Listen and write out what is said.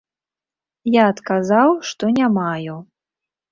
Я адказаў, што не маю.